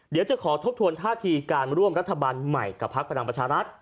เดี๋ยวจะขอทบทวนท่าทีการร่วมรัฐบาลใหม่กับพักพลังประชารัฐ